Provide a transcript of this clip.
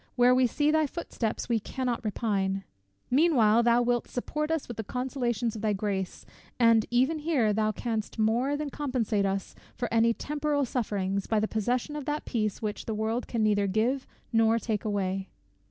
Where we see thy footsteps we cannot repine. Meanwhile, thou wilt support us with the consolations of thy grace; and even here thou canst more than compensate to us for any temporal sufferings, by the possession of that peace, which the world can neither give nor take away."